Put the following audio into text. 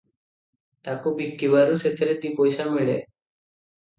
ତାକୁ ବିକିବାରୁ ସେଥିରେ ଦିପଇସା ମିଳେ ।